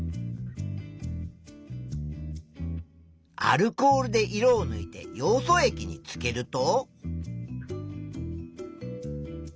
アルコールで色をぬいてヨウ素液につけると。